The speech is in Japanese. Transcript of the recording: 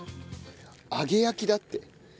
揚げ焼きだって。